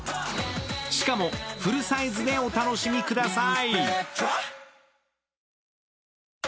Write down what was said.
しかも、フルサイズでお楽しみください。